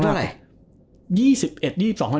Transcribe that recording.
เขาอายุทั้งไร